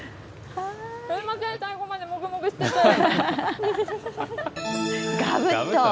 すみません、最後までもぐもぐしがぶっと。